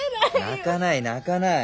泣かない泣かない。